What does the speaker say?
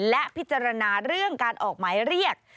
และพิจารณาเรื่องการออกหมายเรียก